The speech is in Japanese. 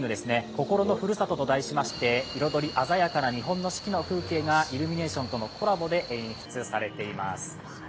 「こころの故郷」と題しまして、彩り鮮やかな日本の四季の風景がイルミネーションとのコラボで演出されています。